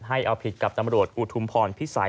ให้เอาผิดกับตำรวจอุทุมพรพิสัย